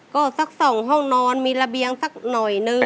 ก็สัก๒ห้องนอนมีระเบียงสักหน่อยนึง